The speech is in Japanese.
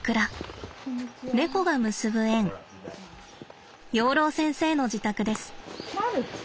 猫が結ぶ縁養老先生の自宅です。